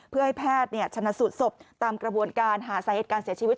เพื่อให้แพทย์ชนะสูตรศพตามกระบวนการหาสาเหตุการเสียชีวิต